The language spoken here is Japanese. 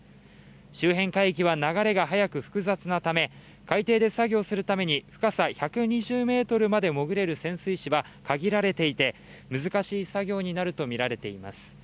周辺海域は流れが速く複雑なため、海底で作業をするために深さ１２０ｍまで潜れる潜水士は限られていて、難しい作業になるとみられています。